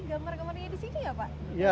gambar gambarnya di sini ya pak